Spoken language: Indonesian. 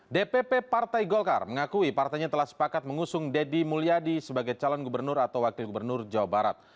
dpp partai golkar mengakui partainya telah sepakat mengusung deddy mulyadi sebagai calon gubernur atau wakil gubernur jawa barat